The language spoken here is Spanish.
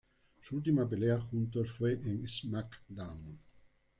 Su última pelea juntos fue en "SmackDown!